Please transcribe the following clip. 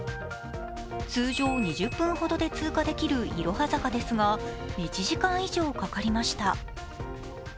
通常２０分ほどで通過できるいろは坂ですが１時間以上かかりました